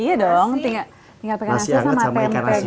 iya dong tinggal pake nasi sama tempe goreng ikan asin